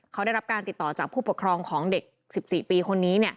เขาได้รับการติดต่อจากผู้ปกครองของเด็ก๑๔ปีคนนี้